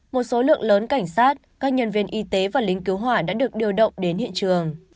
một số lượng lớn cảnh sát các nhân viên y tế và lính cứu hỏa đã được điều động đến hiện trường